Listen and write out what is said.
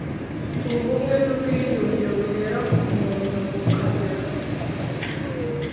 Ubumwe n ubwiyunge buhera ku muntu bukagera